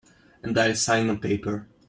And I'll sign a paper.